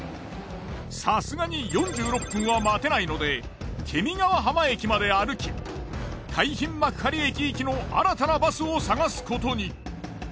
さすがに４６分は待てないので検見川浜駅まで歩き海浜幕張駅行きの新たなバスを探すことに。